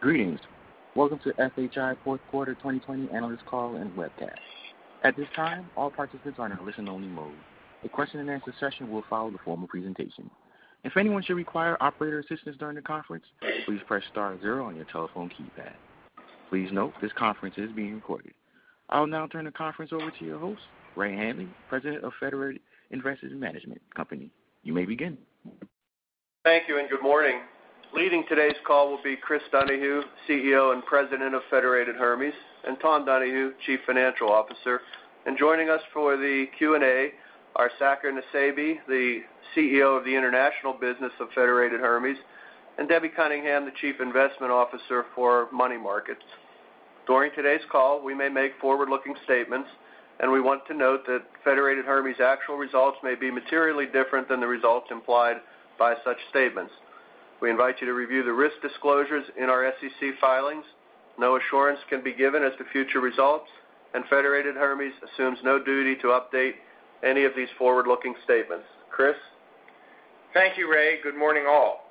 Greetings. Welcome to FHI fourth quarter 2020 analyst call and webcast. At this time, all participants are in a listen-only mode. A question-and-answer session will follow the formal presentation. If anyone should require operator assistance during the conference, please press star zero on your telephone keypad. Please note this conference is being recorded. I will now turn the conference over to your host, Ray Hanley, President of Federated Investors Management Company. You may begin. Thank you and good morning. Leading today's call will be Chris Donahue, CEO and President of Federated Hermes, and Tom Donahue, Chief Financial Officer. Joining us for the Q&A are Saker Nusseibeh, the CEO of the international business of Federated Hermes, and Debbie Cunningham, the Chief Investment Officer for money markets. During today's call, we may make forward-looking statements, and we want to note that Federated Hermes actual results may be materially different than the results implied by such statements. We invite you to review the risk disclosures in our SEC filings. No assurance can be given as to future results, and Federated Hermes assumes no duty to update any of these forward-looking statements. Chris? Thank you, Ray. Good morning, all.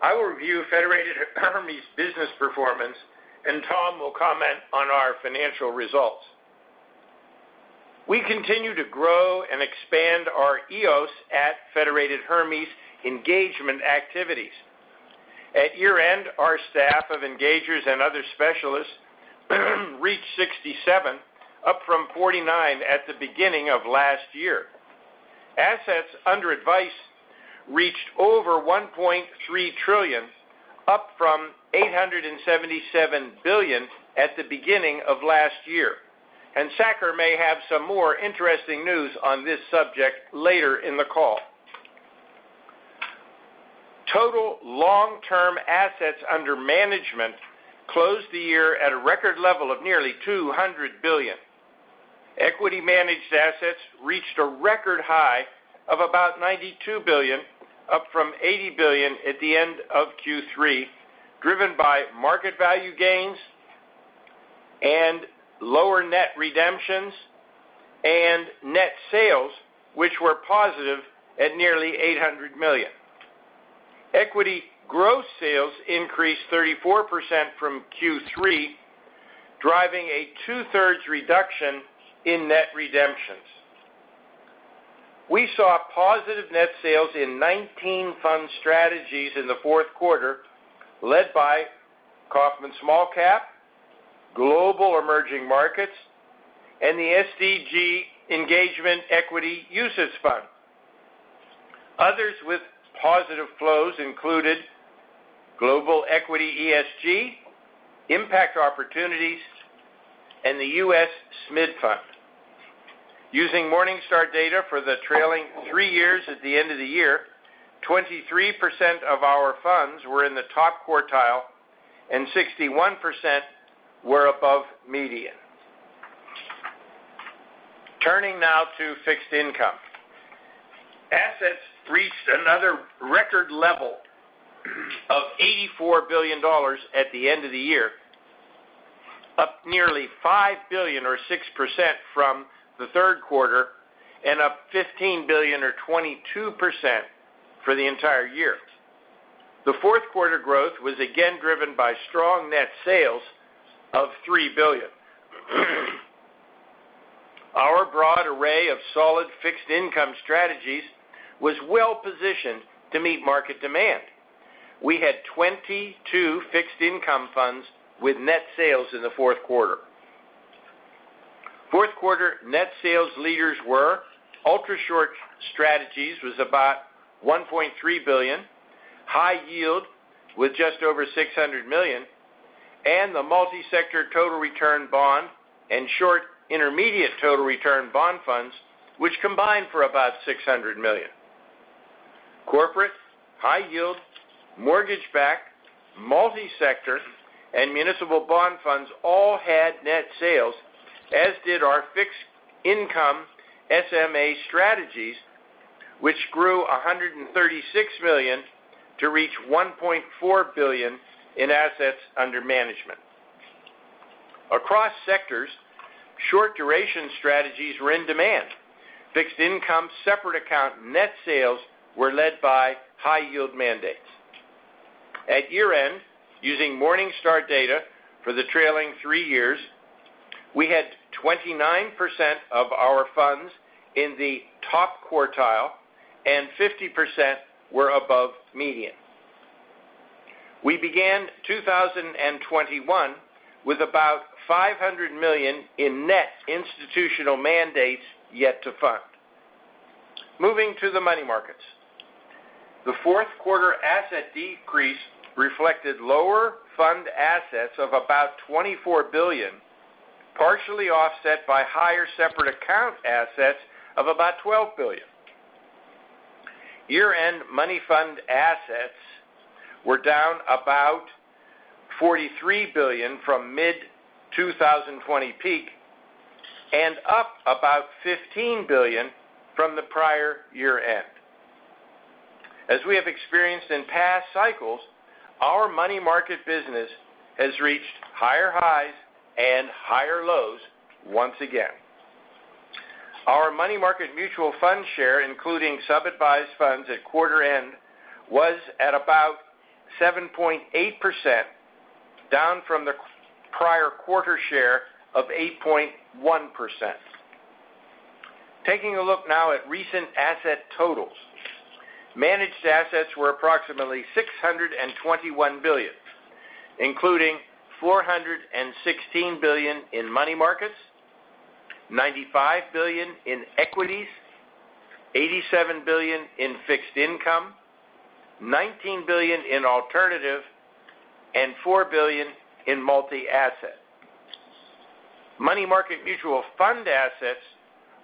I will review Federated Hermes business performance, and Tom will comment on our financial results. We continue to grow and expand our EOS at Federated Hermes engagement activities. At year-end, our staff of engagers and other specialists reached 67, up from 49 at the beginning of last year. Assets under advice reached over $1.3 trillion, up from $877 billion at the beginning of last year. Saker may have some more interesting news on this subject later in the call. Total long-term assets under management closed the year at a record level of nearly $200 billion. Equity managed assets reached a record high of about $92 billion, up from $80 billion at the end of Q3, driven by market value gains and lower net redemptions and net sales, which were positive at nearly $800 million. Equity gross sales increased 34% from Q3, driving a two-thirds reduction in net redemptions. We saw positive net sales in 19 fund strategies in the fourth quarter, led by Kaufmann Small Cap, Global Emerging Markets, and the SDG Engagement Equity UCITS Fund. Others with positive flows included Global Equity ESG, Impact Opportunities, and the U.S. SMID Fund. Using Morningstar data for the trailing three years at the end of the year, 23% of our funds were in the top quartile and 61% were above median. Turning now to fixed income. Assets reached another record level of $84 billion at the end of the year, up nearly $5 billion or 6% from the third quarter, and up $15 billion or 22% for the entire year. The fourth quarter growth was again driven by strong net sales of $3 billion. Our broad array of solid fixed income strategies was well-positioned to meet market demand. We had 22 fixed income funds with net sales in the fourth quarter. Fourth quarter net sales leaders were Ultra Short Strategies was about $1.3 billion, High Yield with just over $600 million, and the Multi-Sector Total Return Bond and Short-Intermediate Total Return Bond funds, which combined for about $600 million. Corporate, high yield, mortgage-backed, multi-sector, and municipal bond funds all had net sales, as did our fixed income SMA strategies, which grew $136 million to reach $1.4 billion in assets under management. Across sectors, short duration strategies were in demand. Fixed income separate account net sales were led by high yield mandates. At year-end, using Morningstar data for the trailing three years, we had 29% of our funds in the top quartile and 50% were above median. We began 2021 with about $500 million in net institutional mandates yet to fund. Moving to the money markets. The fourth quarter asset decrease reflected lower fund assets of about $24 billion, partially offset by higher separate account assets of about $12 billion. Year-end money fund assets were down about $43 billion from mid-2020 peak and up about $15 billion from the prior year-end. As we have experienced in past cycles, our money market business has reached higher highs and higher lows once again. Our money market mutual fund share, including sub-advised funds at quarter end, was at about 7.8%, down from the prior quarter share of 8.1%. Taking a look now at recent asset totals. Managed assets were approximately $621 billion, including $416 billion in money markets, $95 billion in equities, $87 billion in fixed income, $19 billion in alternative, and $4 billion in multi-asset. Money market mutual fund assets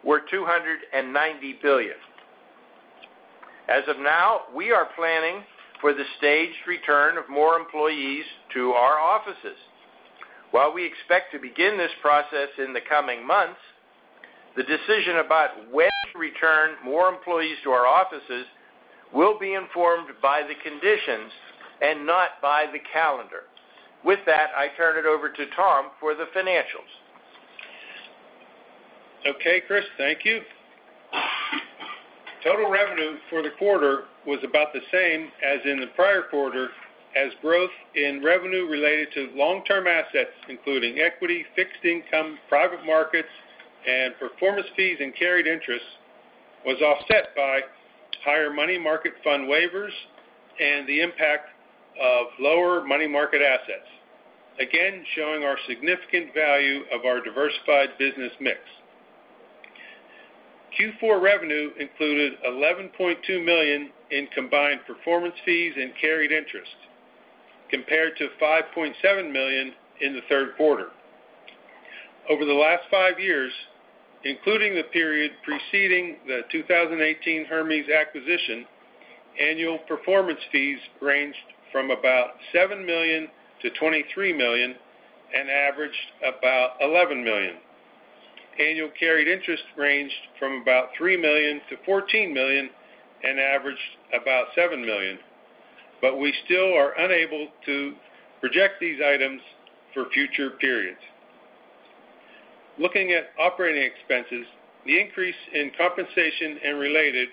were $290 billion. As of now, we are planning for the staged return of more employees to our offices. While we expect to begin this process in the coming months, the decision about when to return more employees to our offices will be informed by the conditions and not by the calendar. With that, I turn it over to Tom for the financials. Okay, Chris. Thank you. Total revenue for the quarter was about the same as in the prior quarter as growth in revenue related to long-term assets, including equity, fixed income, private markets, and performance fees and carried interest was offset by higher money market fund waivers and the impact of lower money market assets. Again, showing our significant value of our diversified business mix. Q4 revenue included $11.2 million in combined performance fees and carried interest compared to $5.7 million in the third quarter. Over the last five years, including the period preceding the 2018 Hermes acquisition, annual performance fees ranged from about $7 million-$23 million and averaged about $11 million. Annual carried interest ranged from about $3 million-$14 million and averaged about $7 million. We still are unable to project these items for future periods. Looking at operating expenses, the increase in compensation and related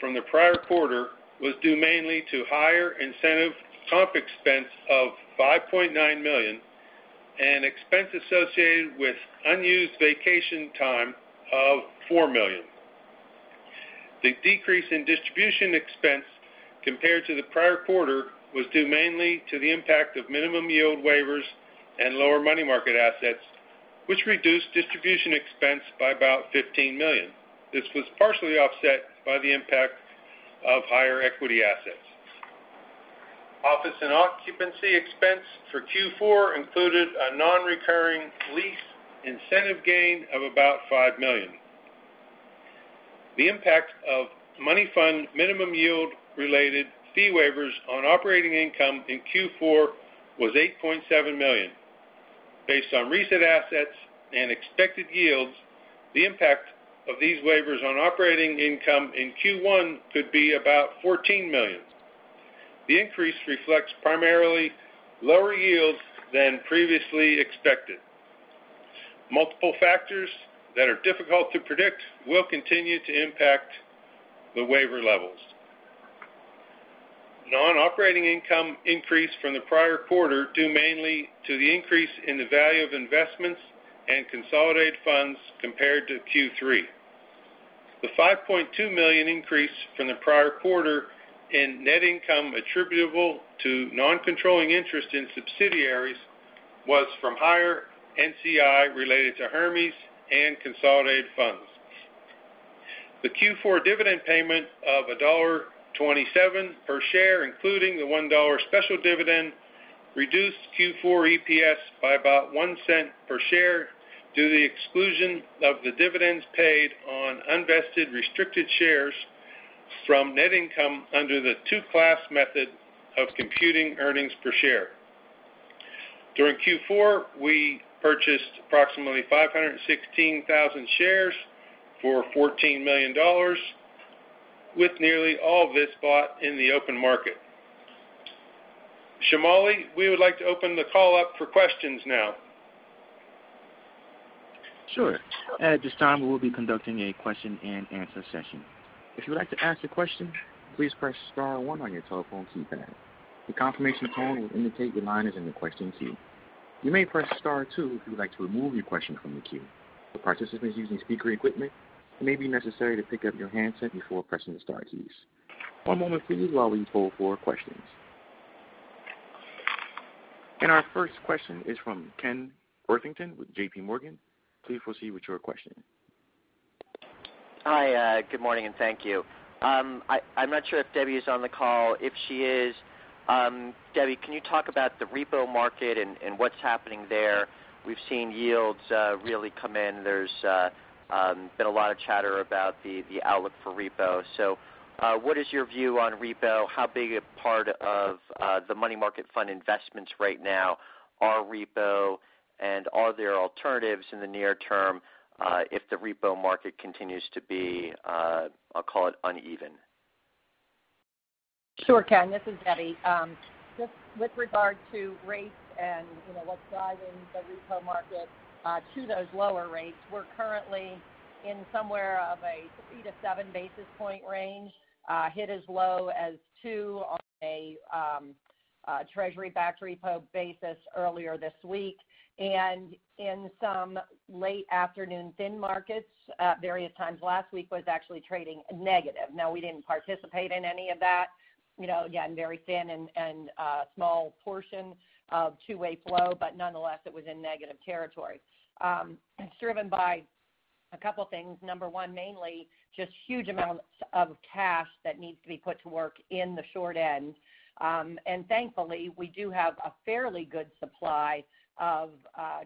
from the prior quarter was due mainly to higher incentive comp expense of $5.9 million and expense associated with unused vacation time of $4 million. The decrease in distribution expense compared to the prior quarter was due mainly to the impact of minimum yield waivers and lower money market assets, which reduced distribution expense by about $15 million. This was partially offset by the impact of higher equity assets. Office and occupancy expense for Q4 included a non-recurring lease incentive gain of about $5 million. The impact of money fund minimum yield related fee waivers on operating income in Q4 was $8.7 million. Based on recent assets and expected yields, the impact of these waivers on operating income in Q1 could be about $14 million. The increase reflects primarily lower yields than previously expected. Multiple factors that are difficult to predict will continue to impact the waiver levels. Non-operating income increased from the prior quarter due mainly to the increase in the value of investments and consolidated funds compared to Q3. The $5.2 million increase from the prior quarter in net income attributable to non-controlling interest in subsidiaries was from higher NCI related to Hermes and consolidated funds. The Q4 dividend payment of $1.27 per share, including the $1 special dividend, reduced Q4 EPS by about $0.01 per share due to the exclusion of the dividends paid on unvested restricted shares from net income under the two-class method of computing earnings per share. During Q4, we purchased approximately 516,000 shares for $14 million, with nearly all of this bought in the open market. Shamali, we would like to open the call up for questions now. Sure. At this time, we will be conducting a question-and-answer session. If you would like to ask a question, please press star one on your telephone keypad. A confirmation tone will indicate your line is in the question queue. You may press star two if you would like to remove your question from the queue. For participants using speaker equipment, it may be necessary to pick up your handset before pressing the star keys. One moment please while we poll for questions. Our first question is from Ken Worthington with J.P. Morgan. Please proceed with your question. Hi. Good morning, and thank you. I'm not sure if Debbie is on the call. If she is, Debbie, can you talk about the repo market and what's happening there? We've seen yields really come in. There's been a lot of chatter about the outlook for repo. What is your view on repo? How big a part of the money market fund investments right now are repo, and are there alternatives in the near term if the repo market continues to be, I'll call it uneven? Sure, Ken, this is Debbie. Just with regard to rates and what's driving the repo market to those lower rates, we're currently in somewhere of a 3-7 basis point range. Hit as low as two on a Treasury-backed repo basis earlier this week. In some late afternoon thin markets at various times last week was actually trading negative. Now, we didn't participate in any of that. Again, very thin and small portion of two-way flow, but nonetheless, it was in negative territory. It's driven by a couple things. Number one, mainly just huge amounts of cash that needs to be put to work in the short end. Thankfully, we do have a fairly good supply of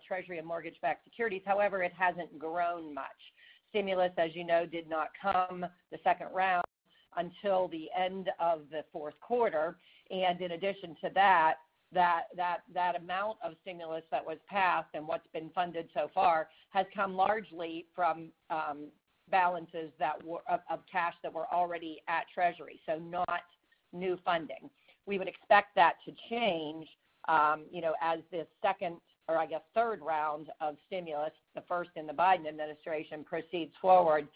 Treasury and mortgage-backed securities. However, it hasn't grown much. Stimulus, as you know, did not come, the second round, until the end of the fourth quarter. In addition to that amount of stimulus that was passed and what's been funded so far, has come largely from balances of cash that were already at Treasury. Not new funding. We would expect that to change as the second, or I guess third round of stimulus, the first in the Biden administration, proceeds forward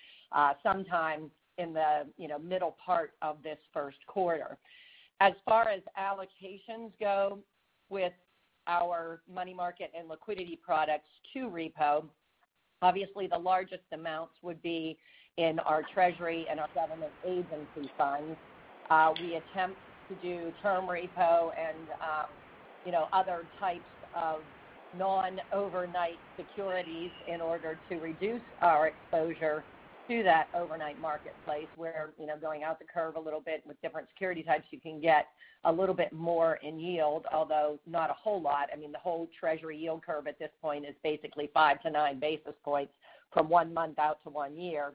sometime in the middle part of this first quarter. As far as allocations go with our money market and liquidity products to repo, obviously the largest amounts would be in our Treasury and our government agency funds. We attempt to do term repo and other types of non-overnight securities in order to reduce our exposure to that overnight marketplace where going out the curve a little bit with different security types, you can get a little bit more in yield, although not a whole lot. I mean, the whole Treasury yield curve at this point is basically five to nine basis points from one month out to one year.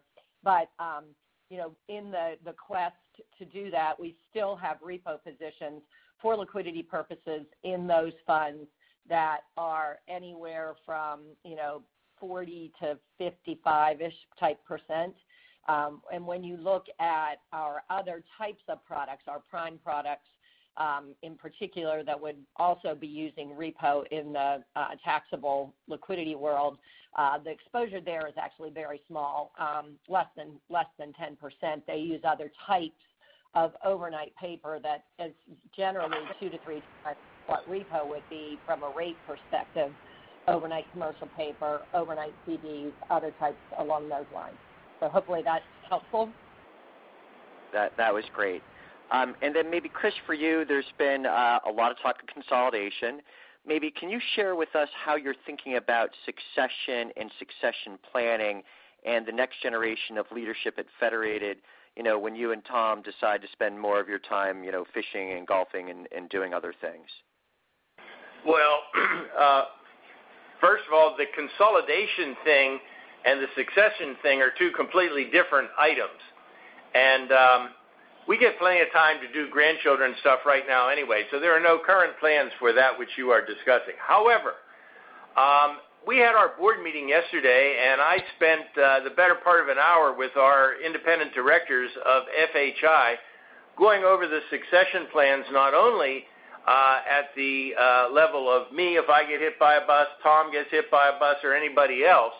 In the quest to do that, we still have repo positions for liquidity purposes in those funds that are anywhere from 40%-55% type percent. When you look at our other types of products, our prime products in particular, that would also be using repo in the taxable liquidity world. The exposure there is actually very small, less than 10%. They use other types of overnight paper that is generally two to three times what repo would be from a rate perspective, overnight commercial paper, overnight CDs, other types along those lines. Hopefully that's helpful. That was great. Maybe Chris, for you, there's been a lot of talk of consolidation. Maybe can you share with us how you're thinking about succession and succession planning and the next generation of leadership at Federated when you and Tom decide to spend more of your time fishing and golfing and doing other things? Well, first of all, the consolidation thing and the succession thing are two completely different items. We get plenty of time to do grandchildren stuff right now anyway, so there are no current plans for that which you are discussing. However, we had our board meeting yesterday, and I spent the better part of an hour with our independent directors of FHI going over the succession plans, not only at the level of me if I get hit by a bus, Tom gets hit by a bus or anybody else,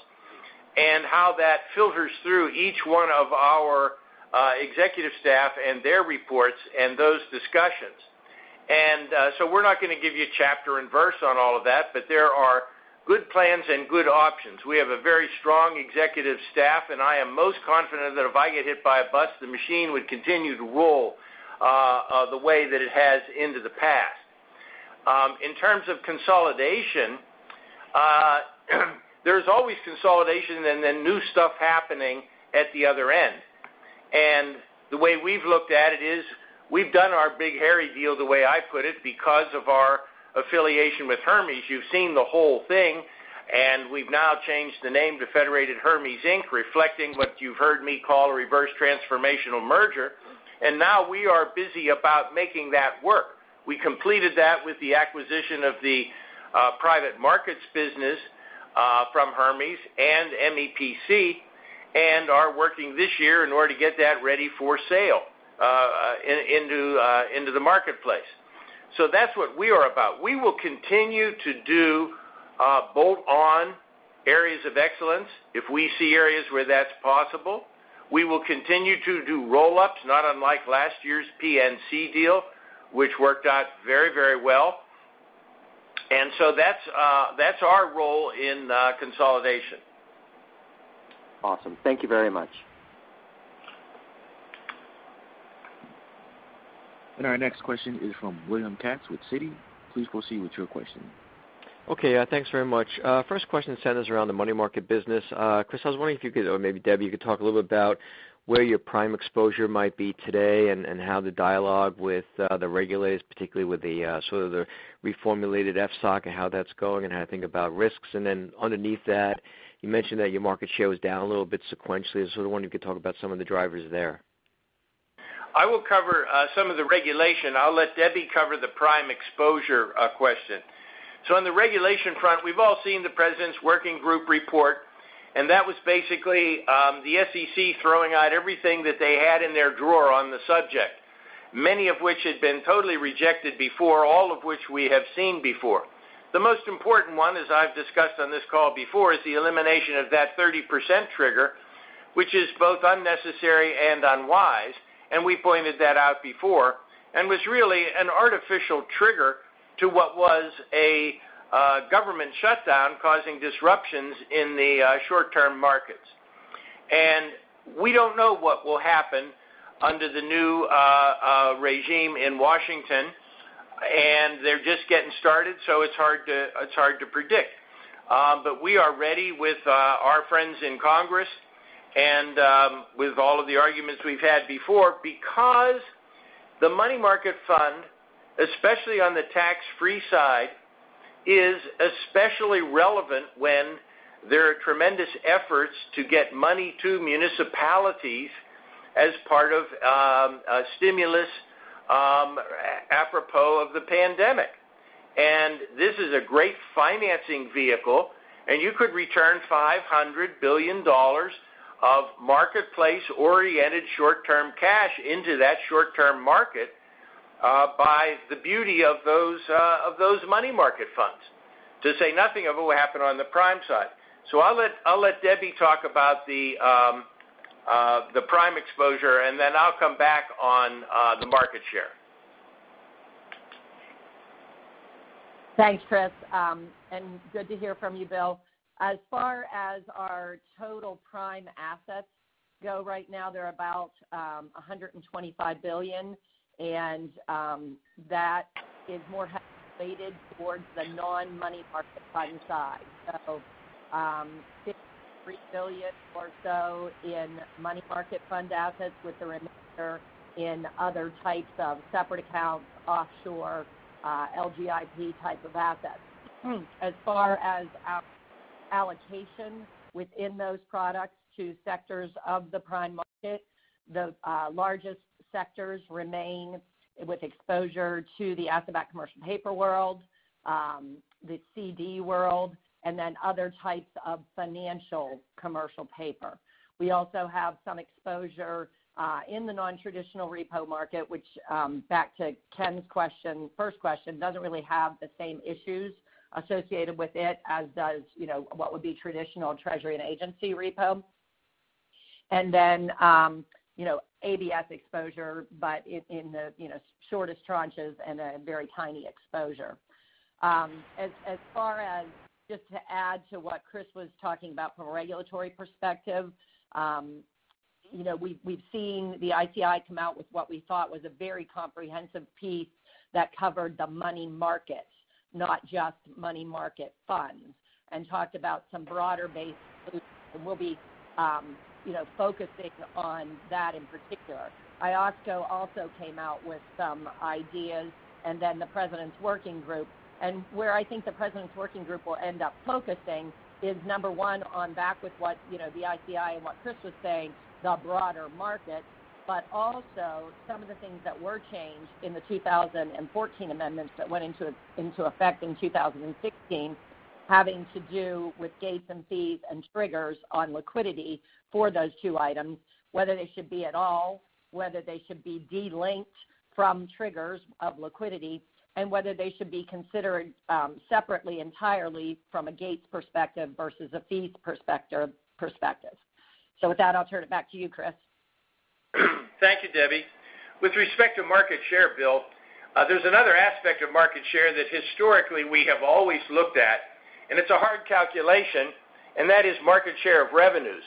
and how that filters through each one of our executive staff and their reports and those discussions. We're not going to give you chapter and verse on all of that, but there are good plans and good options. We have a very strong executive staff, and I am most confident that if I get hit by a bus, the machine would continue to roll the way that it has into the past. In terms of consolidation, there's always consolidation and then new stuff happening at the other end. The way we've looked at it is we've done our big hairy deal, the way I put it, because of our affiliation with Hermes. You've seen the whole thing, we've now changed the name to Federated Hermes, Inc., reflecting what you've heard me call a reverse transformational merger. Now we are busy about making that work. We completed that with the acquisition of the private markets business from Hermes and MEPC, are working this year in order to get that ready for sale into the marketplace. That's what we are about. We will continue to do bolt-on areas of excellence if we see areas where that's possible. We will continue to do roll-ups, not unlike last year's PNC deal, which worked out very well. That's our role in consolidation. Awesome. Thank you very much. Our next question is from William Katz with Citi. Please proceed with your question. Okay, thanks very much. First question centers around the money market business. Chris, I was wondering if you could, or maybe Debbie, you could talk a little bit about where your prime exposure might be today and how the dialogue with the regulators, particularly with the sort of the reformulated FSOC and how that's going and how to think about risks. Underneath that, you mentioned that your market share was down a little bit sequentially. I wonder if you could talk about some of the drivers there. I will cover some of the regulation. I'll let Debbie cover the prime exposure question. On the regulation front, we've all seen the President's Working Group report. That was basically the SEC throwing out everything that they had in their drawer on the subject, many of which had been totally rejected before, all of which we have seen before. The most important one, as I've discussed on this call before, is the elimination of that 30% trigger, which is both unnecessary and unwise, and we pointed that out before, and was really an artificial trigger to what was a government shutdown causing disruptions in the short-term markets. We don't know what will happen under the new regime in Washington, and they're just getting started, so it's hard to predict. We are ready with our friends in Congress and with all of the arguments we've had before because the money market fund, especially on the tax-free side, is especially relevant when there are tremendous efforts to get money to municipalities as part of a stimulus apropos of the pandemic. This is a great financing vehicle, and you could return $500 billion of marketplace-oriented short-term cash into that short-term market by the beauty of those money market funds. To say nothing of what happened on the prime side. I'll let Debbie talk about the prime exposure, and then I'll come back on the market share. Thanks, Chris. Good to hear from you, Bill. As far as our total prime assets go right now, they're about $125 billion, that is more weighted towards the non-money market fund side. $63 billion or so in money market fund assets with the remainder in other types of separate accounts, offshore, LGIP type of assets. As far as our allocation within those products to sectors of the prime market, the largest sectors remain with exposure to the asset-backed commercial paper world, the CD world, other types of financial commercial paper. We also have some exposure in the non-traditional repo market, which, back to Ken's first question, doesn't really have the same issues associated with it as does what would be traditional Treasury and agency repo. ABS exposure, but in the shortest tranches and a very tiny exposure. As far as just to add to what Chris was talking about from a regulatory perspective, we've seen the ICI come out with what we thought was a very comprehensive piece that covered the money market, not just money market funds, and talked about some broader-based solutions, and we'll be focusing on that in particular. IOSCO also came out with some ideas, and then the President's Working Group. Where I think the President's working group will end up focusing is number one on back with what the ICI and what Chris was saying, the broader market, but also some of the things that were changed in the 2014 amendments that went into effect in 2016, having to do with gates and fees and triggers on liquidity for those two items, whether they should be at all, whether they should be de-linked from triggers of liquidity, and whether they should be considered separately entirely from a gates perspective versus a fees perspective. With that, I'll turn it back to you, Chris. Thank you, Debbie. With respect to market share, Bill, there's another aspect of market share that historically we have always looked at, and it's a hard calculation, and that is market share of revenues.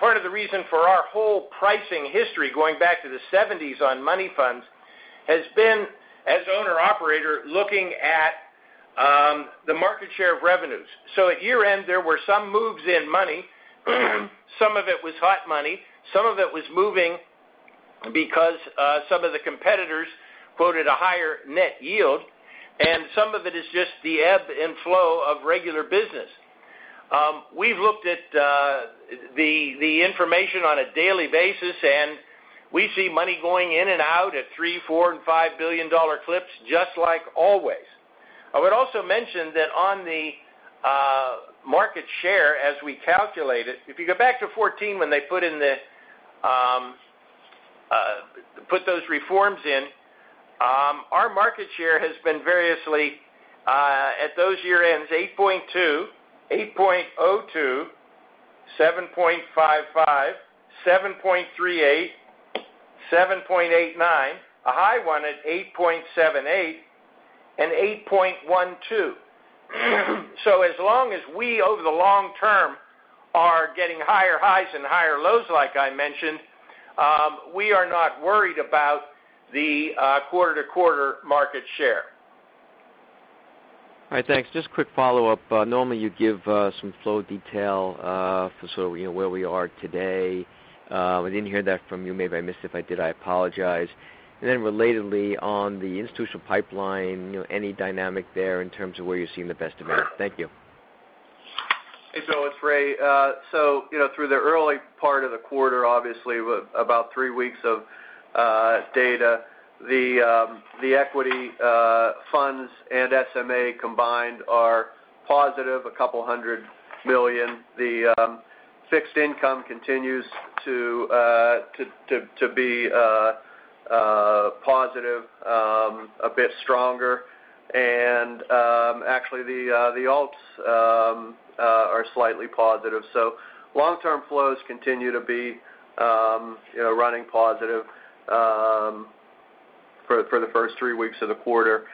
Part of the reason for our whole pricing history going back to the '70s on money funds has been as owner-operator looking at the market share of revenues. At year-end, there were some moves in money. Some of it was hot money, some of it was moving because some of the competitors quoted a higher net yield, and some of it is just the ebb and flow of regular business. We've looked at the information on a daily basis, and we see money going in and out at $3, $4, and $5 billion clips just like always. I would also mention that on the market share as we calculate it, if you go back to 2014 when they put those reforms in, our market share has been variously at those year-ends 8.2, 8.02, 7.55, 7.38, 7.89, a high one at 8.78, and 8.12. As long as we over the long term are getting higher highs and higher lows like I mentioned, we are not worried about the quarter-to-quarter market share. All right. Thanks. Just quick follow-up. Normally, you give some flow detail for where we are today. We didn't hear that from you. Maybe I missed it. If I did, I apologize. Then relatedly on the institutional pipeline, any dynamic there in terms of where you're seeing the best demand? Thank you. Hey, Bill, it's Ray. Through the early part of the quarter, obviously with about three weeks of data, the equity, funds and SMA combined are positive, a couple hundred million dollars. The fixed income continues to be positive, a bit stronger. Actually the alts are slightly positive. Long-term flows continue to be running positive for the first three weeks of the quarter.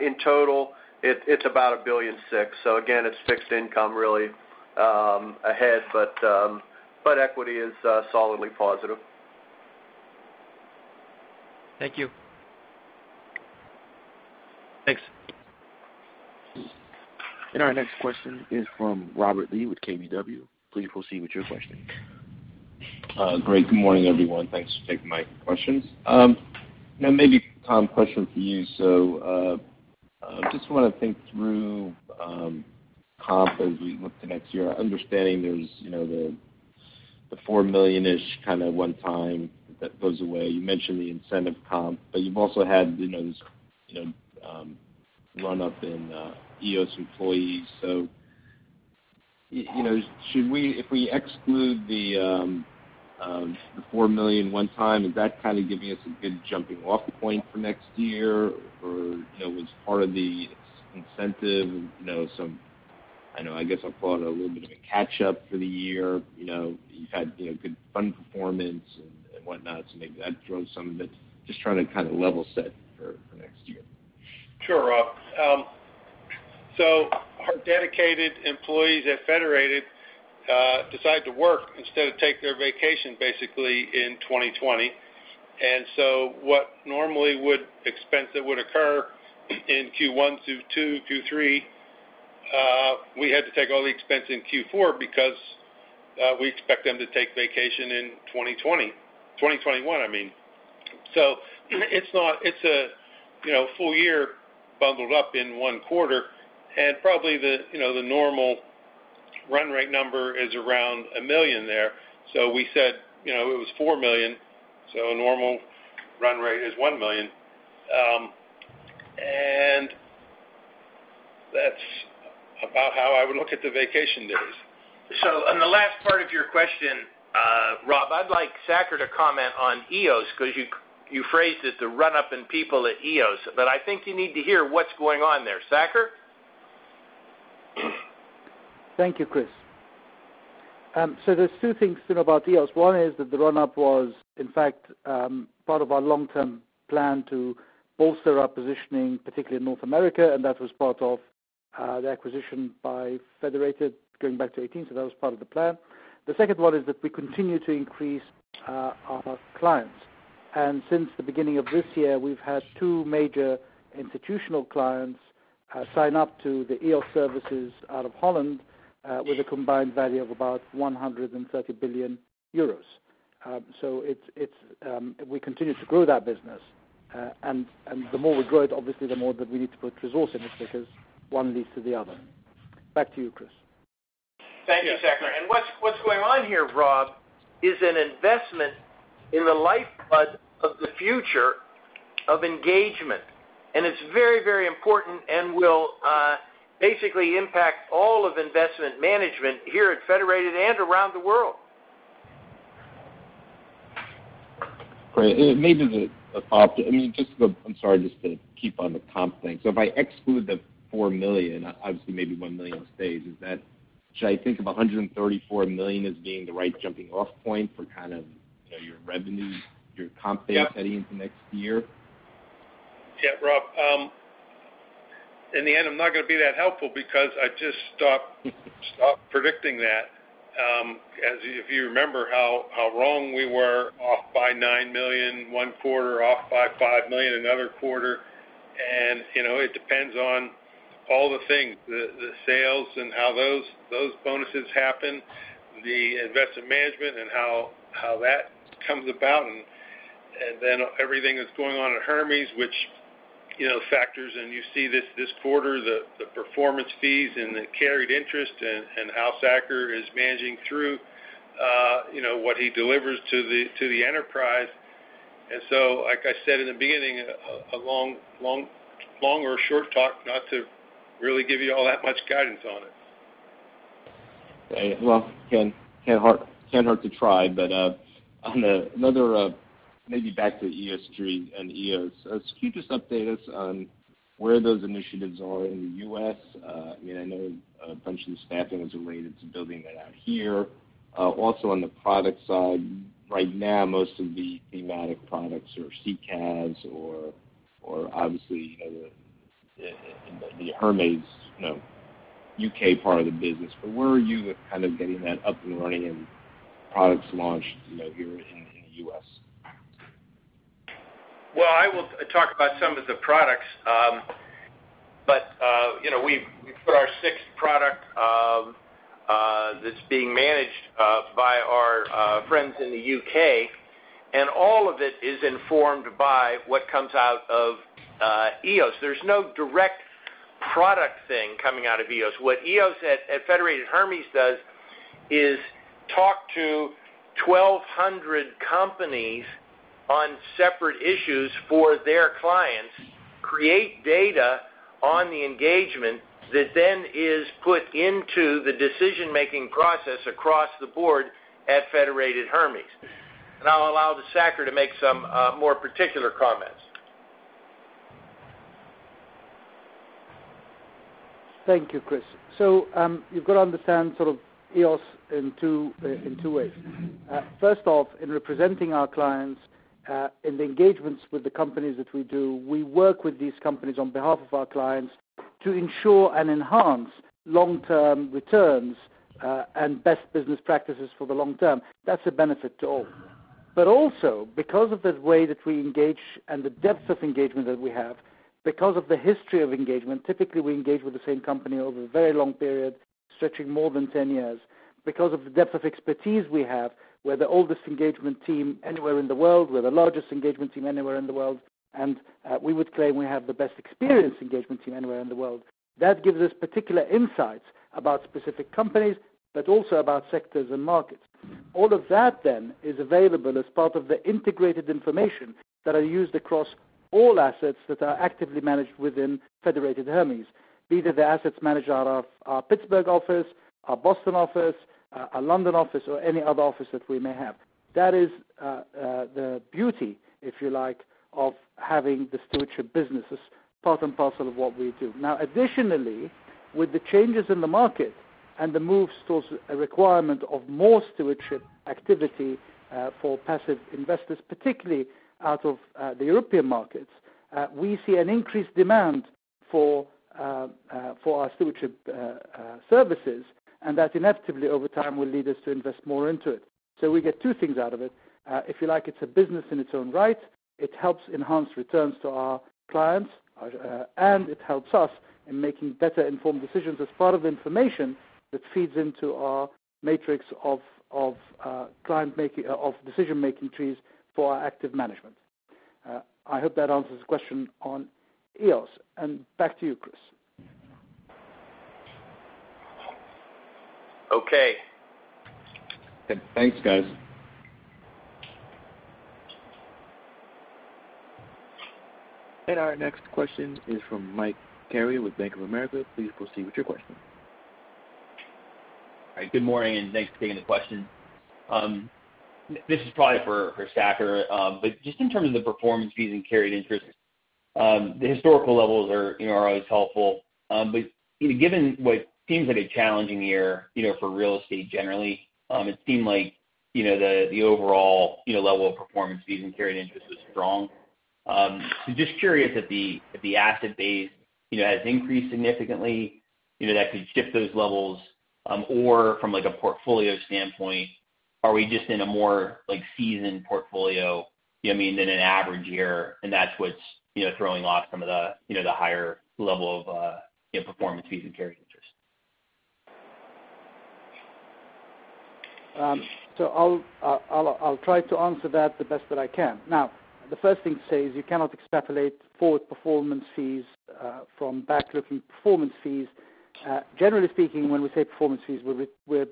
In total, it's about $1.6 billion. Again, it's fixed income really ahead, but equity is solidly positive. Thank you. Thanks. Our next question is from Robert Lee with KBW. Please proceed with your question. Great. Good morning, everyone. Thanks for taking my questions. Maybe, Tom, question for you. Just want to think through comp as we look to next year. Understanding there's the $4 million-ish kind of one time that goes away. You mentioned the incentive comp, but you've also had this run-up in EOS employees. If we exclude the $4 million one time, is that kind of giving us a good jumping off point for next year? Was part of the incentive some, I guess I'll call it a little bit of a catch-up for the year? You've had good fund performance and whatnot, maybe that drove some of it. Just trying to kind of level set for next year. Sure, Rob. Our dedicated employees at Federated decided to work instead of take their vacation basically in 2020. What normally would expense that would occur in Q1 through Q2, Q3, we had to take all the expense in Q4 because we expect them to take vacation in 2021, I mean. It's a full year bundled up in one quarter and probably the normal run rate number is around $1 million there. We said it was $4 million, a normal run rate is $1 million. That's about how I would look at the vacation days. On the last part of your question, Rob, I'd like Saker to comment on EOS because you phrased it the run-up in people at EOS, but I think you need to hear what's going on there. Saker? Thank you, Chris. There's two things to know about EOS. One is that the run-up was, in fact, part of our long-term plan to bolster our positioning, particularly in North America, and that was part of the acquisition by Federated going back to 2018. That was part of the plan. The second one is that we continue to increase our clients. Since the beginning of this year, we've had two major institutional clients sign up to the EOS services out of Holland with a combined value of about 130 billion euros. We continue to grow that business, and the more we grow it, obviously the more that we need to put resource in it because one leads to the other. Back to you, Chris. Thank you, Saker. What's going on here, Rob, is an investment in the lifeblood of the future of engagement. It's very important and will basically impact all of investment management here at Federated and around the world. Great. I'm sorry, just to keep on the comp thing. If I exclude the $4 million, obviously maybe $1 million stays. Should I think of $134 million as being the right jumping off point for kind of your revenue, your comp base heading into next year? Yeah, Rob. In the end, I'm not going to be that helpful because I just stopped predicting that. If you remember how wrong we were off by $9 million one quarter, off by $5 million another quarter. It depends on all the things, the sales and how those bonuses happen, the investment management and how that comes about, and then everything that's going on at Hermes, which factors in. You see this quarter the performance fees and the carried interest and how Saker is managing through what he delivers to the enterprise. So, like I said in the beginning, a long or short talk not to really give you all that much guidance on it. Well, can't hurt to try. On another, maybe back to ESG and EOS, can you just update us on where those initiatives are in the U.S.? I know a bunch of the staffing is related to building that out here. On the product side, right now most of the thematic products are UCITS or obviously the Hermes U.K. part of the business. Where are you with kind of getting that up and running and products launched here in the U.S.? Well, I will talk about some of the products. We put our sixth product that's being managed by our friends in the U.K., and all of it is informed by what comes out of EOS. There's no direct product thing coming out of EOS. What EOS at Federated Hermes does is talk to 1,200 companies on separate issues for their clients, create data on the engagement that then is put into the decision-making process across the board at Federated Hermes. I'll allow the Saker to make some more particular comments. Thank you, Chris. You've got to understand EOS in two ways. First off, in representing our clients in the engagements with the companies that we do, we work with these companies on behalf of our clients to ensure and enhance long-term returns and best business practices for the long term. That's a benefit to all. Also because of the way that we engage and the depth of engagement that we have, because of the history of engagement, typically we engage with the same company over a very long period, stretching more than 10 years. Because of the depth of expertise we have, we're the oldest engagement team anywhere in the world. We're the largest engagement team anywhere in the world. We would claim we have the best experienced engagement team anywhere in the world. That gives us particular insights about specific companies, but also about sectors and markets. All of that is available as part of the integrated information that are used across all assets that are actively managed within Federated Hermes. Be they the assets managed out of our Pittsburgh office, our Boston office, our London office, or any other office that we may have. That is the beauty, if you like, of having the stewardship business as part and parcel of what we do. Additionally, with the changes in the market and the move towards a requirement of more stewardship activity for passive investors, particularly out of the European markets, we see an increased demand for our stewardship services. That inevitably over time will lead us to invest more into it. We get two things out of it. If you like, it's a business in its own right. It helps enhance returns to our clients. It helps us in making better-informed decisions as part of information that feeds into our matrix of decision-making trees for our active management. I hope that answers the question on EOS. Back to you, Chris. Okay. Thanks, guys. Our next question is from Mike Carrier with Bank of America. Please proceed with your question. All right. Good morning, and thanks for taking the question. This is probably for Saker. Just in terms of the performance fees and carried interest, the historical levels are always helpful. Given what seems like a challenging year for real estate generally, it seemed like the overall level of performance fees and carried interest was strong. Just curious if the asset base has increased significantly that could shift those levels. From a portfolio standpoint, are we just in a more seasoned portfolio than an average year, and that's what's throwing off some of the higher level of performance fees and carried interest? I'll try to answer that the best that I can. The first thing to say is you cannot extrapolate forward performance fees from back-looking performance fees. Generally speaking, when we say performance fees, we're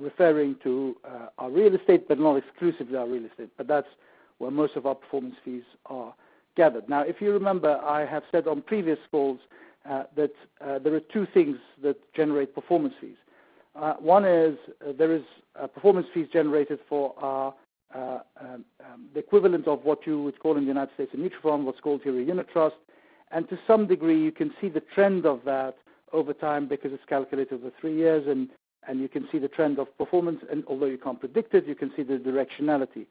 referring to our real estate, but not exclusively our real estate. That's where most of our performance fees are gathered. If you remember, I have said on previous calls that there are two things that generate performance fees. One is there is performance fees generated for the equivalent of what you would call in the United States a mutual fund, what's called here a unit trust. To some degree, you can see the trend of that over time because it's calculated over three years. You can see the trend of performance. Although you can't predict it, you can see the directionality.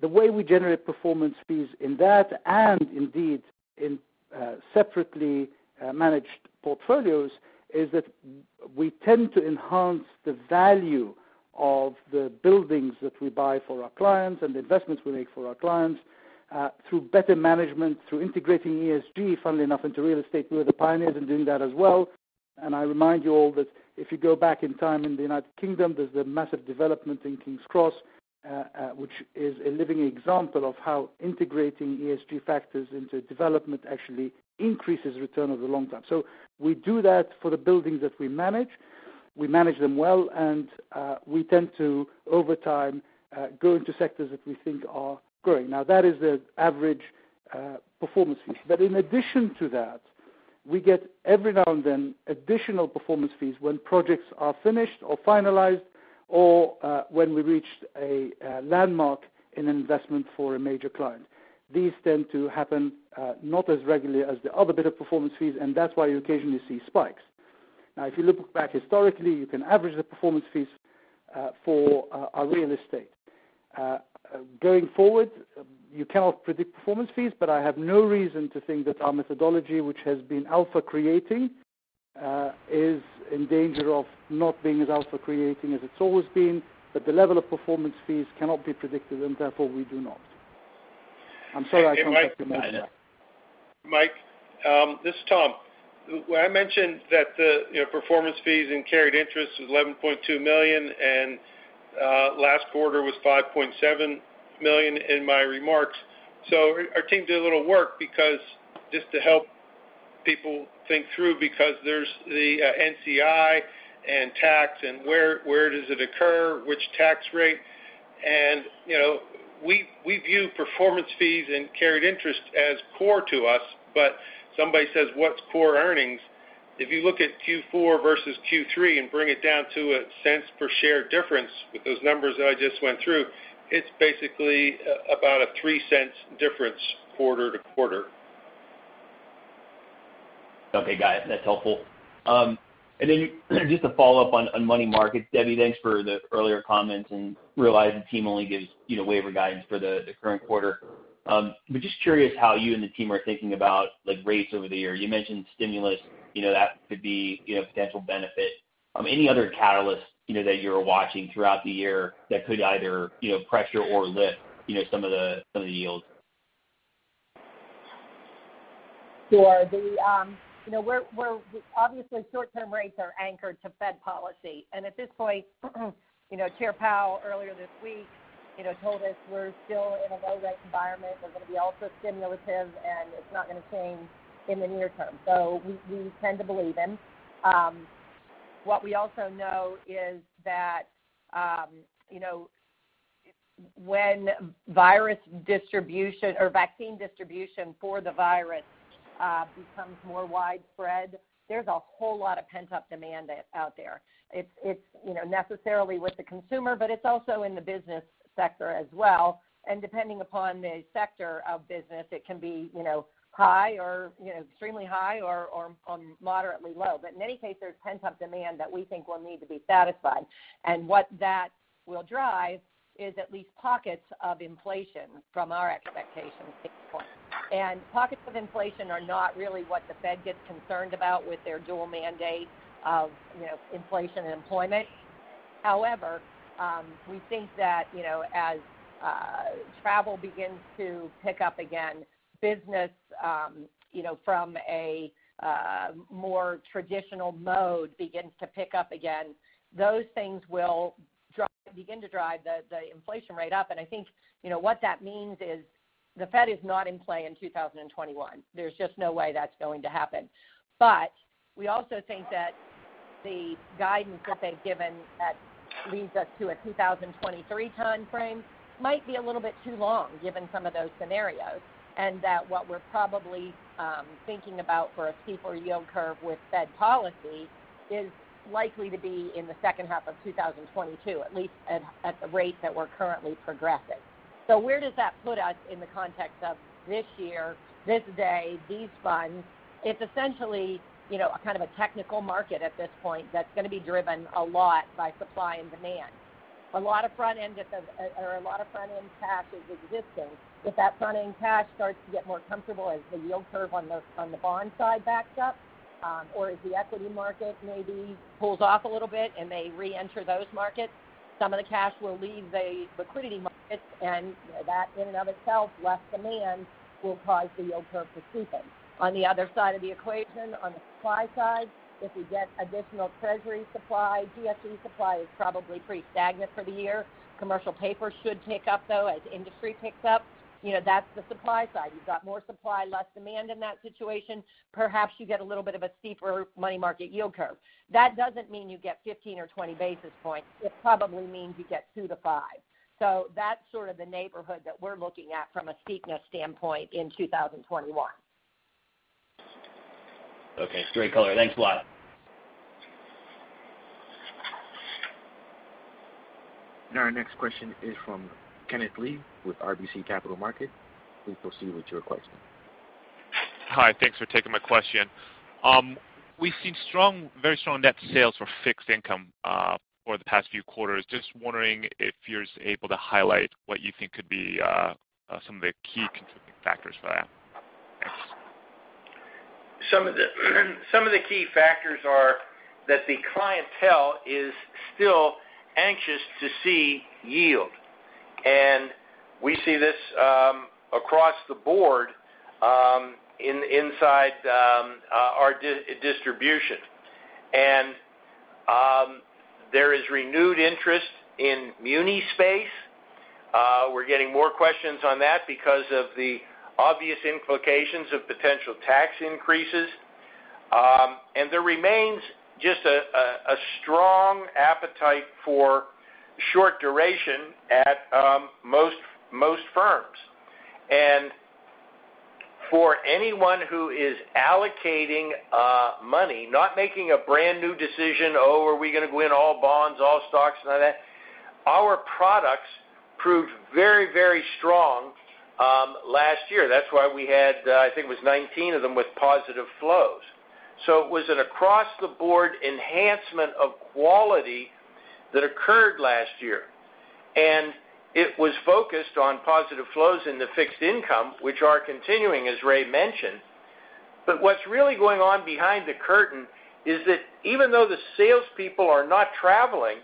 The way we generate performance fees in that and indeed in separately managed portfolios is that we tend to enhance the value of the buildings that we buy for our clients and the investments we make for our clients through better management, through integrating ESG, funnily enough, into real estate. We were the pioneers in doing that as well. I remind you all that if you go back in time in the United Kingdom, there's the massive development in King's Cross which is a living example of how integrating ESG factors into development actually increases return over the long term. We do that for the buildings that we manage. We manage them well, and we tend to, over time, go into sectors that we think are growing. That is the average performance fees. In addition to that, we get every now and then additional performance fees when projects are finished or finalized or when we reach a landmark in investment for a major client. These tend to happen not as regularly as the other bit of performance fees, and that's why you occasionally see spikes. Now, if you look back historically, you can average the performance fees for our real estate. Going forward, you cannot predict performance fees, but I have no reason to think that our methodology, which has been alpha creating, is in danger of not being as alpha creating as it's always been. The level of performance fees cannot be predicted, and therefore we do not. I'm sorry I can't give you more than that. Mike, this is Tom. When I mentioned that the performance fees and carried interest was $11.2 million and last quarter was $5.7 million in my remarks. Our team did a little work just to help people think through because there's the NCI and tax and where does it occur, which tax rate. We view performance fees and carried interest as core to us. Somebody says, "What's core earnings?" If you look at Q4 versus Q3 and bring it down to a cents per share difference with those numbers that I just went through, it's basically about a $0.03 difference quarter to quarter. Okay, got it. That's helpful. Then just a follow-up on money markets. Debbie, thanks for the earlier comments, and realize the team only gives waiver guidance for the current quarter. Just curious how you and the team are thinking about rates over the year. You mentioned stimulus, that could be a potential benefit. Any other catalysts that you're watching throughout the year that could either pressure or lift some of the yields? Sure. Obviously short-term rates are anchored to Fed policy. At this point, Chair Powell earlier this week told us we're still in a low rate environment. We're going to be also stimulative, and it's not going to change in the near term. We tend to believe him. What we also know is that when vaccine distribution for the virus becomes more widespread, there's a whole lot of pent-up demand out there. It's necessarily with the consumer, but it's also in the business sector as well. Depending upon the sector of business, it can be extremely high or moderately low. In any case, there's pent-up demand that we think will need to be satisfied. What that will drive is at least pockets of inflation from our expectations at this point. Pockets of inflation are not really what the Fed gets concerned about with their dual mandate of inflation and employment. However, we think that as travel begins to pick up again, business from a more traditional mode begins to pick up again, those things will begin to drive the inflation rate up. I think what that means is the Fed is not in play in 2021. There's just no way that's going to happen. We also think that the guidance that they've given that leads us to a 2023 timeframe might be a little bit too long given some of those scenarios. That what we're probably thinking about for a steeper yield curve with Fed policy is likely to be in the second half of 2022, at least at the rate that we're currently progressing. Where does that put us in the context of this year, this day, these funds? It's essentially kind of a technical market at this point that's going to be driven a lot by supply and demand. A lot of front-end cash is existing. If that front-end cash starts to get more comfortable as the yield curve on the bond side backs up, or as the equity market maybe pulls off a little bit and they reenter those markets, some of the cash will leave the liquidity markets, and that in and of itself, less demand will cause the yield curve to steepen. On the other side of the equation, on the supply side, if we get additional Treasury supply, GSE supply is probably pretty stagnant for the year. Commercial paper should pick up, though, as industry picks up. That's the supply side. You've got more supply, less demand in that situation. Perhaps you get a little bit of a steeper money market yield curve. That doesn't mean you get 15 or 20 basis points. It probably means you get two to five. That's sort of the neighborhood that we're looking at from a steepness standpoint in 2021. Okay. Great color. Thanks a lot. Now our next question is from Kenneth Lee with RBC Capital Markets. Please proceed with your question. Hi. Thanks for taking my question. We've seen very strong net sales for fixed income over the past few quarters. Just wondering if you're able to highlight what you think could be some of the key contributing factors for that. Thanks. Some of the key factors are that the clientele is still anxious to see yield. We see this across the board inside our distribution. There is renewed interest in muni space. We're getting more questions on that because of the obvious implications of potential tax increases. There remains just a strong appetite for short duration at most firms. For anyone who is allocating money, not making a brand-new decision, oh, are we going to go in all bonds, all stocks and all that, our products proved very strong last year. That's why we had, I think it was 19 of them with positive flows. It was an across-the-board enhancement of quality that occurred last year. It was focused on positive flows in the fixed income, which are continuing, as Ray mentioned. What's really going on behind the curtain is that even though the salespeople are not traveling,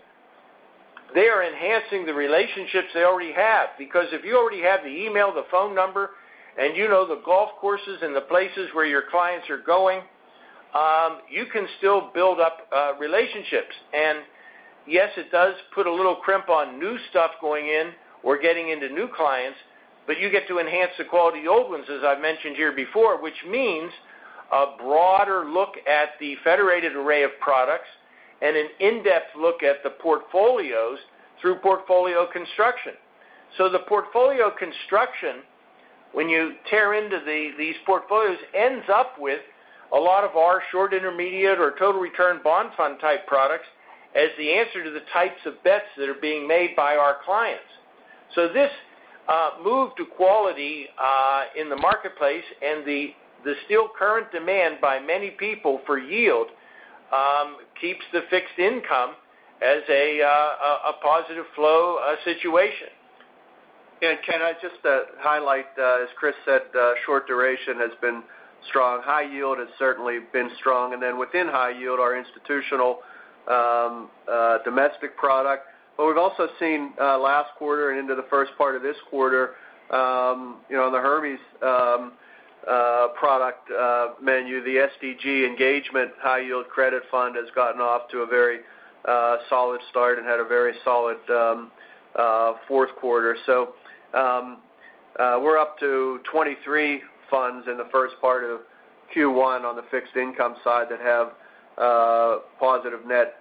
they are enhancing the relationships they already have, because if you already have the email, the phone number, and you know the golf courses and the places where your clients are going. You can still build up relationships. Yes, it does put a little crimp on new stuff going in or getting into new clients, but you get to enhance the quality of the old ones, as I've mentioned here before, which means a broader look at the Federated array of products, and an in-depth look at the portfolios through portfolio construction. The portfolio construction, when you tear into these portfolios, ends up with a lot of our Short-Intermediate or Total Return Bond fund type products as the answer to the types of bets that are being made by our clients. This move to quality in the marketplace and the still current demand by many people for yield, keeps the fixed income as a positive flow situation. Can I just highlight, as Chris said, short duration has been strong, High Yield has certainly been strong, and then within High Yield, our institutional domestic product. We've also seen last quarter and into the first part of this quarter, the Hermes product menu, the SDG Engagement High Yield Credit Fund has gotten off to a very solid start and had a very solid fourth quarter. We're up to 23 funds in the first part of Q1 on the fixed income side that have positive net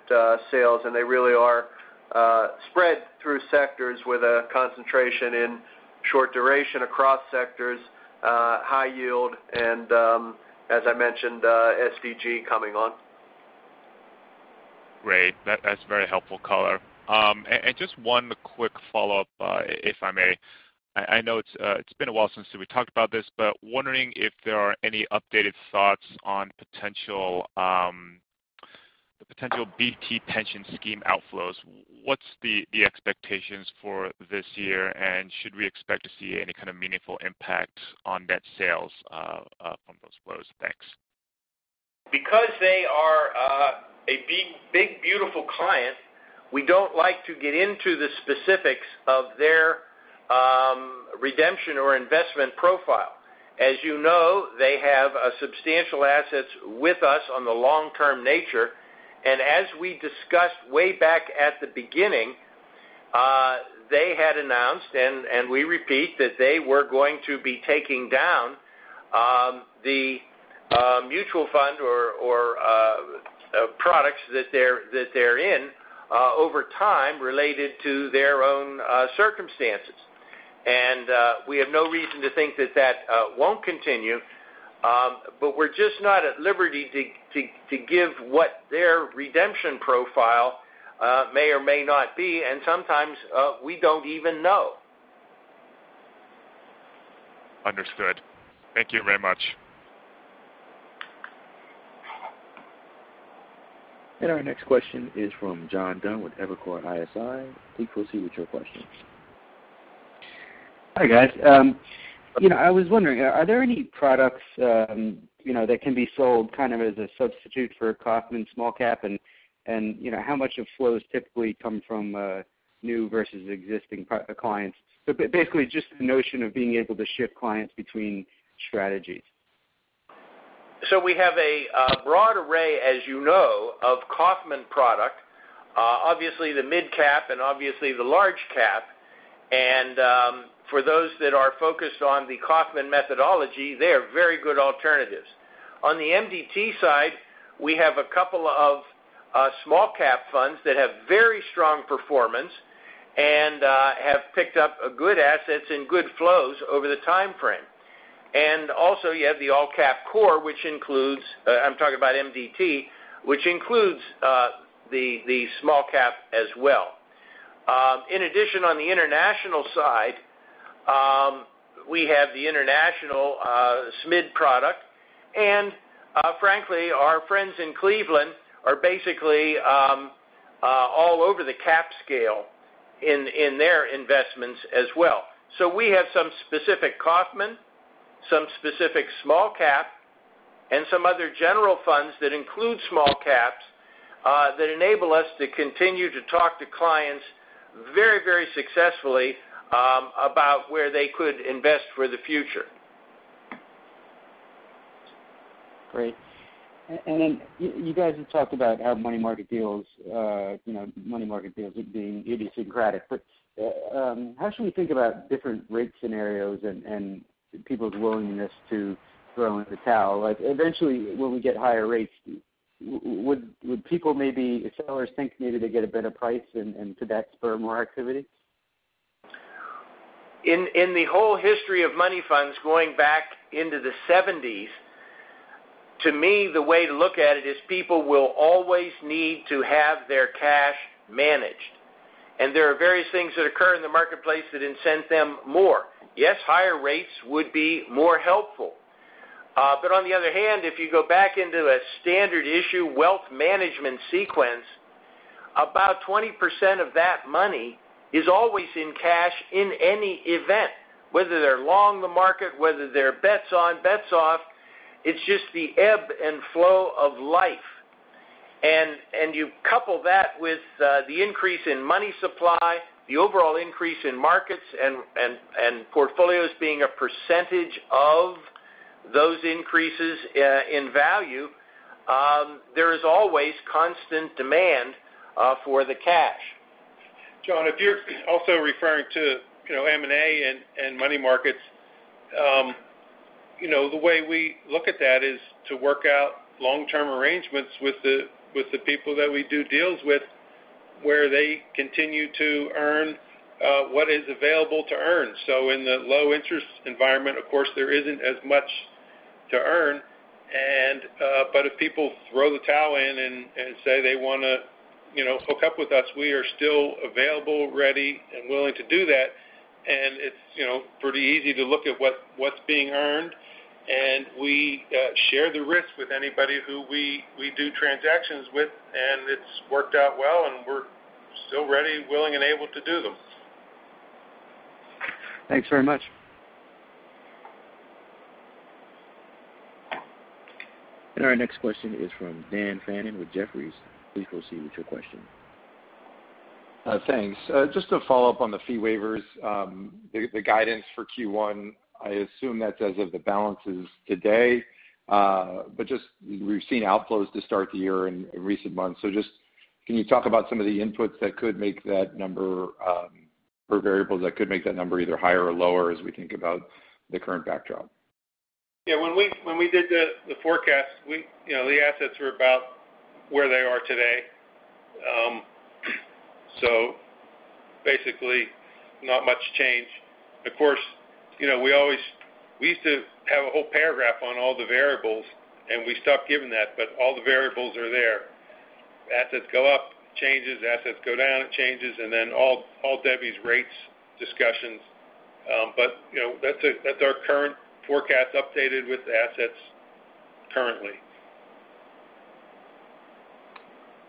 sales, and they really are spread through sectors with a concentration in short duration across sectors, High Yield, and as I mentioned, SDG coming on. Great. That's very helpful color. Just one quick follow-up, if I may. I know it's been a while since we talked about this, but wondering if there are any updated thoughts on potential BT Pension Scheme outflows. What's the expectations for this year, and should we expect to see any kind of meaningful impact on net sales from those flows? Thanks. Because they are a big, beautiful client, we don't like to get into the specifics of their redemption or investment profile. As you know, they have substantial assets with us on the long-term nature. As we discussed way back at the beginning, they had announced, and we repeat, that they were going to be taking down the mutual fund or products that they're in over time related to their own circumstances. We have no reason to think that that won't continue. We're just not at liberty to give what their redemption profile may or may not be, and sometimes, we don't even know. Understood. Thank you very much. Our next question is from John Dunn with Evercore ISI. Please proceed with your question. Hi, guys. I was wondering, are there any products that can be sold as a substitute for Kaufmann Small Cap? How much of flows typically come from new versus existing clients? Basically, just the notion of being able to shift clients between strategies. We have a broad array, as you know, of Kaufmann product. Obviously, the mid-cap and obviously the large cap. For those that are focused on the Kaufmann methodology, they are very good alternatives. On the MDT side, we have a couple of small cap funds that have very strong performance and have picked up good assets and good flows over the timeframe. You have the all-cap core, which includes I'm talking about MDT, which includes the small cap as well. In addition, on the international side, we have the international SMID product. Frankly, our friends in Cleveland are basically all over the cap scale in their investments as well. We have some specific Kaufmann, some specific small cap, and some other general funds that include small caps, that enable us to continue to talk to clients very, very successfully about where they could invest for the future. Great. You guys have talked about how money market deals are being idiosyncratic. How should we think about different rate scenarios and people's willingness to throw in the towel? Eventually, when we get higher rates, would sellers think maybe they get a better price and could that spur more activity? In the whole history of money funds going back into the '70s, to me, the way to look at it is people will always need to have their cash managed. There are various things that occur in the marketplace that incent them more. Yes, higher rates would be more helpful. On the other hand, if you go back into a standard issue wealth management sequence, about 20% of that money is always in cash in any event, whether they're long the market, whether they're bets on, bets off. It's just the ebb and flow of life. You couple that with the increase in money supply, the overall increase in markets, and portfolios being a percentage of those increases in value. There is always constant demand for the cash. John, if you're also referring to M&A and money markets. The way we look at that is to work out long-term arrangements with the people that we do deals with, where they continue to earn what is available to earn. In the low-interest environment, of course, there isn't as much to earn. If people throw the towel in and say they want to hook up with us, we are still available, ready, and willing to do that. It's pretty easy to look at what's being earned. We share the risk with anybody who we do transactions with, and it's worked out well, and we're still ready, willing, and able to do them. Thanks very much. Our next question is from Dan Fannon with Jefferies. Please proceed with your question. Thanks. Just to follow up on the fee waivers. The guidance for Q1, I assume that's as of the balances today. We've seen outflows to start the year in recent months. Just can you talk about some of the inputs that could make that number, or variables that could make that number either higher or lower as we think about the current backdrop? Yeah. When we did the forecast, the assets were about where they are today. Basically, not much change. Of course, we used to have a whole paragraph on all the variables, and we stopped giving that, but all the variables are there. Assets go up, changes, assets go down, it changes, and then all debits, rates, discussions. That's our current forecast updated with assets currently.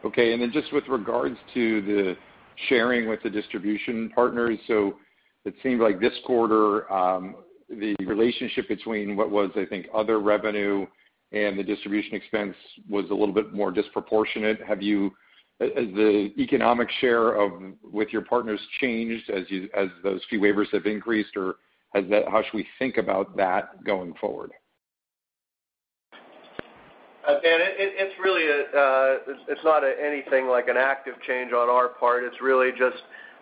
Okay. Just with regards to the sharing with the distribution partners. It seems like this quarter, the relationship between what was, I think, other revenue and the distribution expense was a little bit more disproportionate. Has the economic share with your partners changed as those fee waivers have increased, or how should we think about that going forward? Dan, it's not anything like an active change on our part. It's really just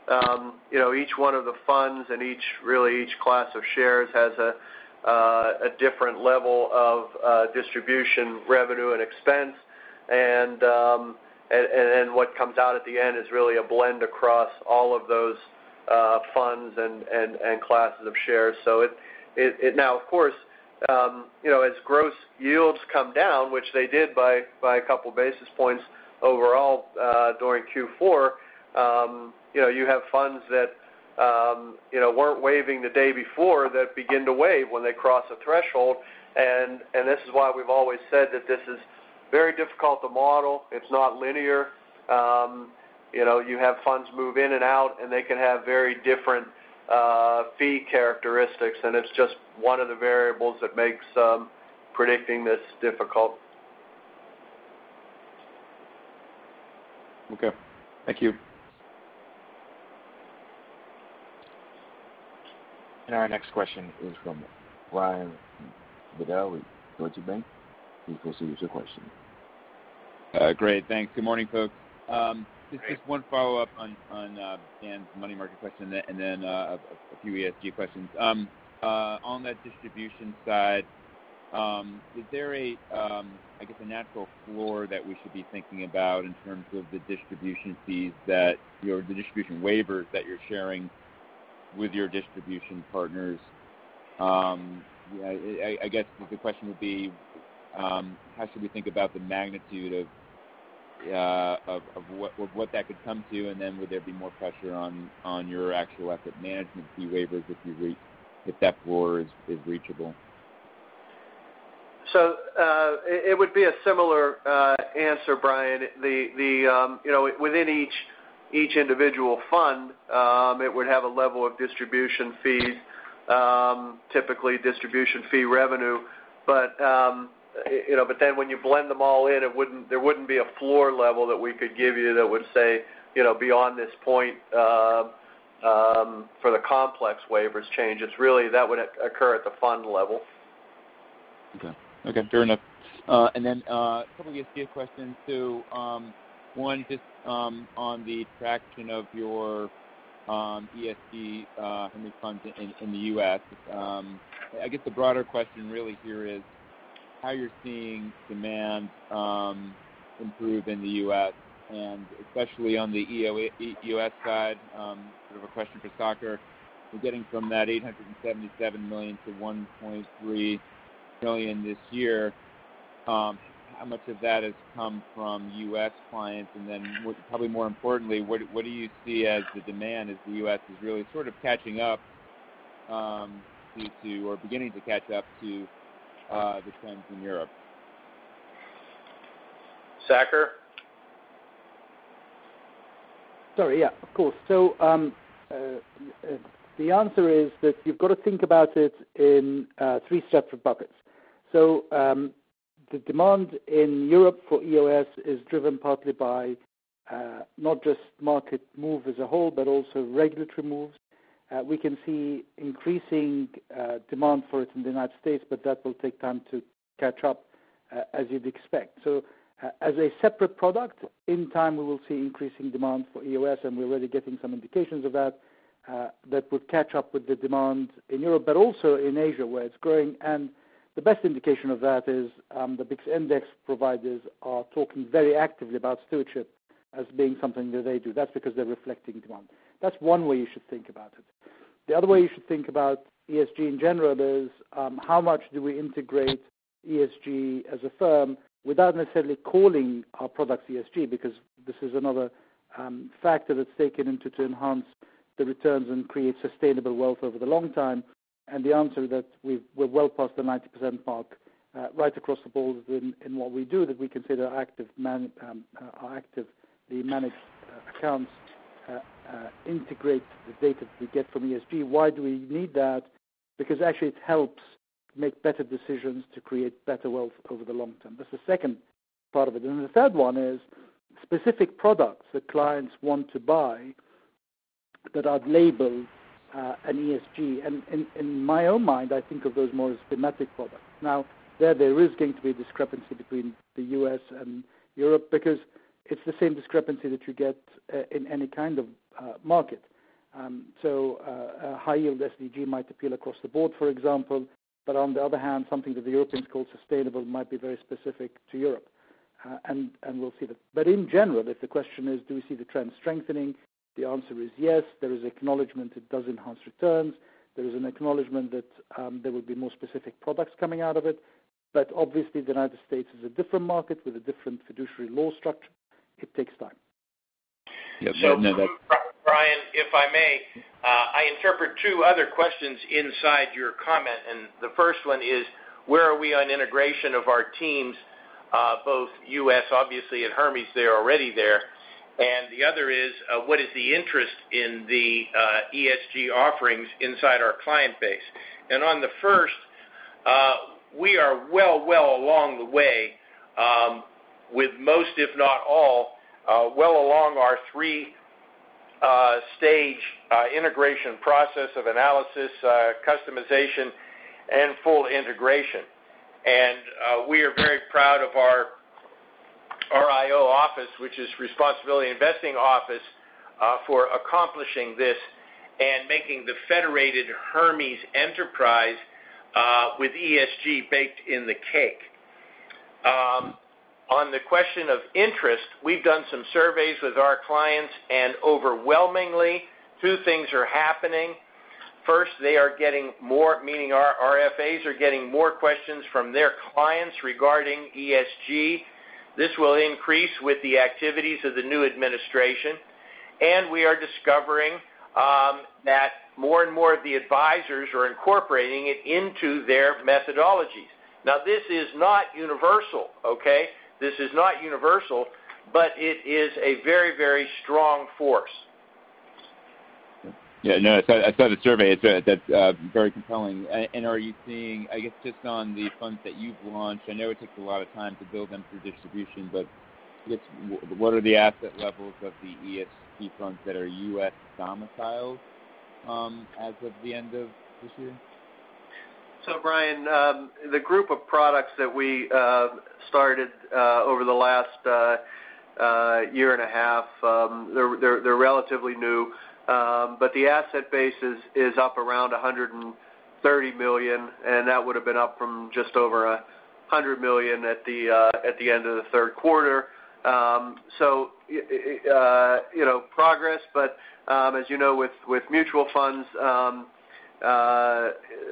each one of the funds and really each class of shares has a different level of distribution revenue and expense. What comes out at the end is really a blend across all of those funds and classes of shares. Now, of course, as gross yields come down, which they did by a couple of basis points overall during Q4, you have funds that weren't waiving the day before that begin to waive when they cross a threshold. This is why we've always said that this is very difficult to model. It's not linear. You have funds move in and out, and they can have very different fee characteristics, and it's just one of the variables that makes predicting this difficult. Okay. Thank you. Our next question is from Brian Bedell with Deutsche Bank. Please proceed with your question. Great. Thanks. Good morning, folks. Just one follow-up on Dan's money market question, and then a few ESG questions. On that distribution side, is there, I guess, a natural floor that we should be thinking about in terms of the distribution fees that your distribution waivers that you're sharing with your distribution partners? I guess the question would be, how should we think about the magnitude of what that could come to, and then would there be more pressure on your actual asset management fee waivers if that floor is reachable? It would be a similar answer, Brian. Within each individual fund, it would have a level of distribution fees. Typically, distribution fee revenue. When you blend them all in, there wouldn't be a floor level that we could give you that would say beyond this point for the complex waivers change. It's really that would occur at the fund level. Okay. Fair enough. A couple of ESG questions, too. One, just on the traction of your ESG Hermes funds in the U.S. I guess the broader question really here is how you're seeing demand improve in the U.S., and especially on the U.S. side. Sort of a question for Saker. We're getting from that $877 million to $1.3 billion this year. How much of that has come from U.S. clients? Probably more importantly, what do you see as the demand as the U.S. is really sort of catching up to, or beginning to catch up to the trends in Europe? Saker? Sorry. Yeah, of course. The answer is that you've got to think about it in three separate buckets. The demand in Europe for EOS is driven partly by not just market move as a whole, but also regulatory moves. We can see increasing demand for it in the United States, but that will take time to catch up as you'd expect. As a separate product, in time, we will see increasing demand for EOS, and we're already getting some indications of that would catch up with the demand in Europe, but also in Asia, where it's growing. The best indication of that is the big index providers are talking very actively about stewardship as being something that they do. That's because they're reflecting demand. That's one way you should think about it. The other way you should think about ESG in general is how much do we integrate ESG as a firm without necessarily calling our products ESG, because this is another factor that's taken into to enhance the returns and create sustainable wealth over the long term. The answer is that we're well past the 90% mark right across the board in what we do that we consider our actively managed accounts integrate the data that we get from ESG. Why do we need that? Because actually it helps make better decisions to create better wealth over the long term. That's the second part of it. Then the third one is specific products that clients want to buy that are labeled an ESG. In my own mind, I think of those more as thematic products. There is going to be a discrepancy between the U.S. and Europe because it's the same discrepancy that you get in any kind of market. A High Yield SDG might appeal across the board, for example. On the other hand, something that the Europeans call sustainable might be very specific to Europe. We'll see that. In general, if the question is, do we see the trend strengthening? The answer is yes. There is acknowledgment it does enhance returns. There is an acknowledgment that there will be more specific products coming out of it. Obviously the United States is a different market with a different fiduciary law structure. It takes time. Yes. Brian, if I may, I interpret two other questions inside your comment. The first one is, where are we on integration of our teams, both U.S., obviously, Hermes, they are already there. The other is, what is the interest in the ESG offerings inside our client base? On the first, we are well along the way with most, if not all, well along our three-stage integration process of analysis, customization, and full integration. We are very proud of our RIO office, which is Responsible Investment Office, for accomplishing this and making the Federated Hermes enterprise with ESG baked in the cake. On the question of interest, we have done some surveys with our clients. Overwhelmingly, two things are happening. They are getting more, meaning our RIAs are getting more questions from their clients regarding ESG. This will increase with the activities of the new administration. We are discovering that more and more of the advisors are incorporating it into their methodologies. This is not universal, okay? This is not universal, but it is a very strong force. Yeah, I saw the survey. That's very compelling. Are you seeing, I guess just on the funds that you've launched, I know it takes a lot of time to build them for distribution, but what are the asset levels of the ESG funds that are U.S. domiciled as of the end of this year? Brian, the group of products that we started over the last year and a half, they're relatively new. But the asset base is up around $130 million, and that would have been up from just over $100 million at the end of the third quarter. Progress, but as you know with mutual funds,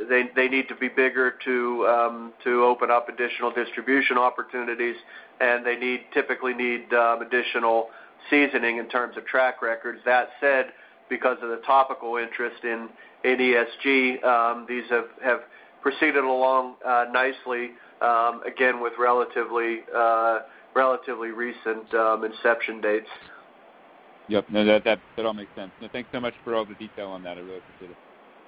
they need to be bigger to open up additional distribution opportunities, and they typically need additional seasoning in terms of track records. That said, because of the topical interest in ESG, these have proceeded along nicely, again, with relatively recent inception dates. Yep. That all makes sense. Thanks so much for all the detail on that. I really appreciate it.